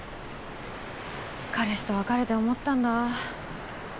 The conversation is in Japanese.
彼氏と別れて思ったんだ